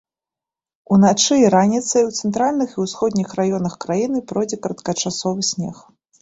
Уначы і раніцай у цэнтральных і ўсходніх раёнах краіны пройдзе кароткачасовы снег.